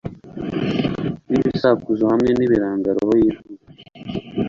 n'ibisakuzo hamwe nibiranga roho zivuka